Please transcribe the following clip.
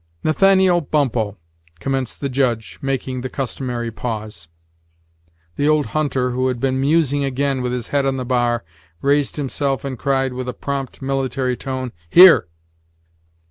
"Nathaniel Bumppo," commenced the Judge, making the customary pause. The old hunter, who had been musing again, with his head on the bar, raised himself, and cried, with a prompt, military tone: "Here."